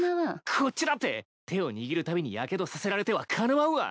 こっちだって手を握るたびにやけどさせられてはかなわんわ！